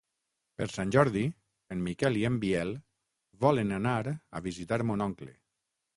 Per Sant Jordi en Miquel i en Biel volen anar a visitar mon oncle.